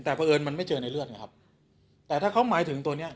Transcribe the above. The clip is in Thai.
แต่เพราะเอิญมันไม่เจอในเลือดไงครับแต่ถ้าเขาหมายถึงตัวเนี้ย